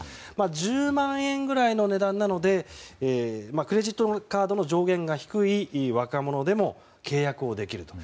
１０万円ぐらいの値段なのでクレジットカードの上限が低い若者でも契約ができると。